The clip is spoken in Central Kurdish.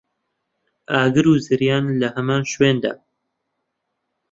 ئاگر و زریان لە هەمان شوێندا